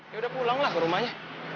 ya udah pulang lah ke rumahnya